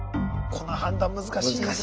この判断難しい。